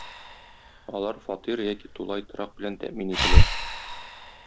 Алар фатир яки тулай торак белән тәэмин ителә.